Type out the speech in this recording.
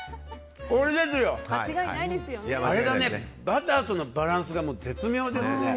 バターとのバランスが絶妙ですね。